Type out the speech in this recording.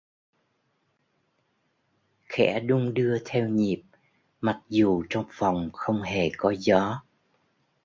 Khẽ đung đưa theo nhịp mặc dù trong phòng không hề có gió